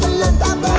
bahaya bunuhkan kau